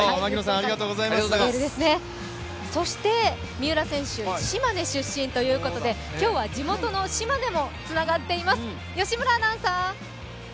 そして、三浦選手島根出身ということで今日は地元の島根もつながっています。